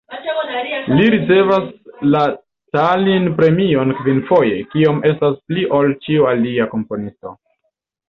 Li ricevas la Stalin-premion kvinfoje, kiom estas pli ol ĉiu alia komponisto.